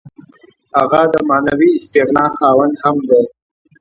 هغه د معنوي استغنا خاوند هم دی.